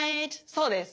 そうです。